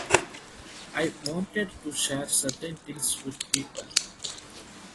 I wanted to share certain things with people.